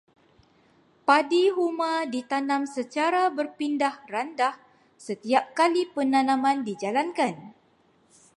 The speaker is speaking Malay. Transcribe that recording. Padi huma ditanam secara berpindah-randah setiap kali penanaman dijalankan.